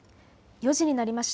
４時になりました。